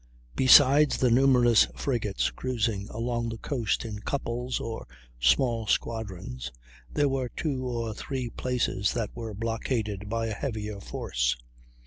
Besides the numerous frigates cruising along the coast in couples or small squadrons, there were two or three places that were blockaded by a heavier force.